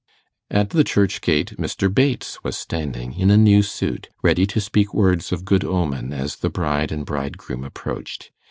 At the church gate Mr. Bates was standing in a new suit, ready to speak words of good omen as the bride and bridegroom approached.